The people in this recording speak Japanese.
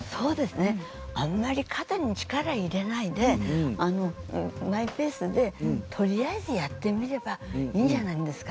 あんまり肩に力を入れないでマイペースでとりあえずやってみればいいんじゃないですか。